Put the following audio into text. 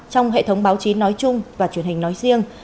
trong hệ thống báo chí nói chung và truyền hình nói riêng